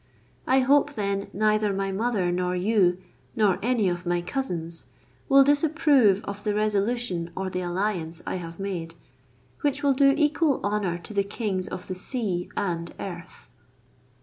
I hope then neither my mother, nor you, nor any of my cousins, will disapprove of the resolution or the alliance I have made, which will do equal honour to the kings of the sea and earth.